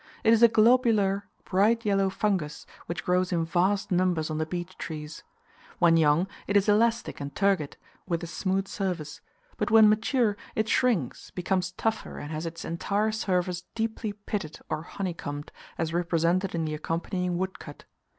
It is a globular, bright yellow fungus, which grows in vast numbers on the beech trees. When young it is elastic and turgid, with [picture] a smooth surface; but when mature it shrinks, becomes tougher, and has its entire surface deeply pitted or honey combed, as represented in the accompanying woodcut.